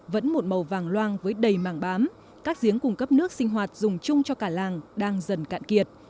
vẫn một màu vàng loang với đầy mảng bám các giếng cung cấp nước sinh hoạt dùng chung cho cả làng đang dần cạn kiệt